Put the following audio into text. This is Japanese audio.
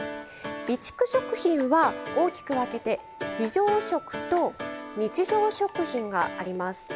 備蓄食品は大きく分けて非常食と日常食品があります。